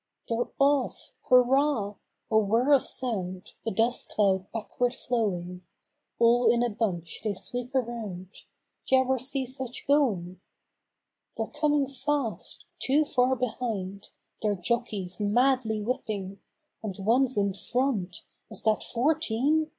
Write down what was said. They're OFF! Hurrah! A whir of sound, a dust cloud backward flowing. All in a bunch they sweep around— D'jever see such going? They're coming fast! Two far behind; their jockeys madly whipping And one's in front—is that Fourteen?